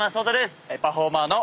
パフォーマーの。